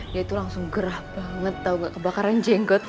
dia tuh langsung gerah banget tau nggak kebakaran jenggot